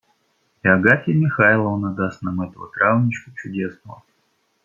И Агафья Михайловна даст нам этого травничку чудесного...